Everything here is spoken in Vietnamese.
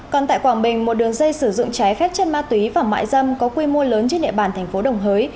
còn tại quảng bình một đường dây sử dụng trái phép chất ma túy và mại dâm có quy mô lớn trên địa bàn thành phố đồng hới